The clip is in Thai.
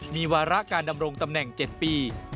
มีวาระการดำรงตำแหน่ง๗ปี